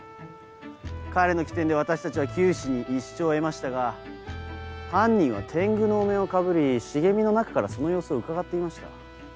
彼の機転で私たちは九死に一生を得ましたが犯人は天狗のお面をかぶり茂みの中からその様子をうかがっていました。